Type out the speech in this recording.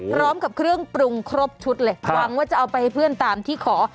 พร้อมกับเครื่องปรุงครบชุดเลยหวังว่าจะเอาไปให้เพื่อนตามที่ขอ